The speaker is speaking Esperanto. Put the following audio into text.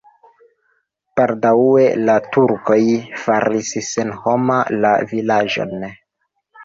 Baldaŭe la turkoj faris senhoma la vilaĝon.